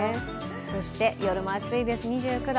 そして夜も暑いです、２９度。